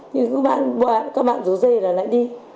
nhưng các bạn rủ dây là lại đi